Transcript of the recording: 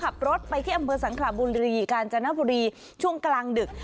ขับรถไปที่อำเภอสังขลาบุรีกาญจนบุรีช่วงกลางดึก